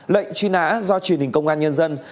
lệnh truy nã do truyền hình công an nhân dân